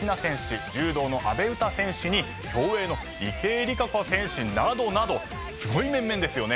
柔道の阿部詩選手に競泳の池江璃花子選手などなどすごい面々ですよね。